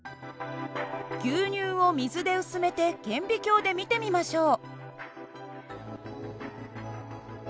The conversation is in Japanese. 牛乳を水で薄めて顕微鏡で見てみましょう。